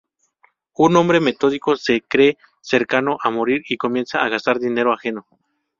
Un hombre metódico se cree cercano a morir y comienza a gastar dinero ajeno.